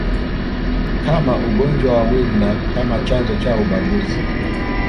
kama ugonjwa wa mwili na kama chanzo cha ubaguzi